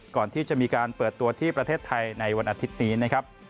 ก่อนที่จะมีการเปิดตัวที่ประเทศไทยในวันอาทิตย์นี้นะครับ